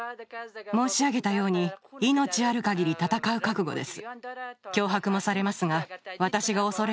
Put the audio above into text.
申し上げたように命ある限り戦う覚悟です。